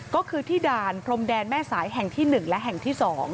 ก็คือที่ด่านพรมแดนแม่สายแห่งที่๑และแห่งที่๒